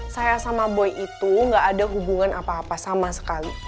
saya sama boy itu gak ada hubungan apa apa sama sekali